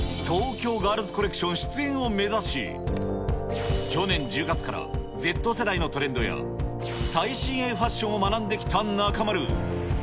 東京ガールズコレクション出演を目指し、去年１０月からＺ世代のトレンドや、最新鋭ファッションを学んできた中丸。